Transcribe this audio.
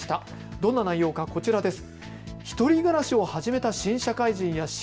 どんな内容か、こちらです。